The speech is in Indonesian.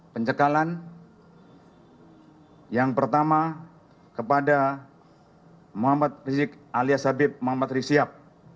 pencekalan yang pertama kepada muhammad rizik alias habib muhammad rizik siap